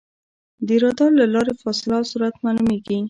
د رادار له لارې فاصله او سرعت معلومېږي.